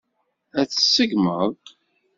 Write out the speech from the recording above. Ad tt-tseggmeḍ?